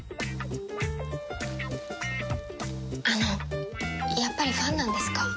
あのやっぱりファンなんですか？